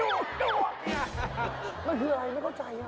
มันคืออะไรไม่เข้าใจ